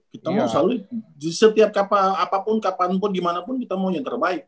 kita mau selalu setiap kapanpun dimanapun kita mau yang terbaik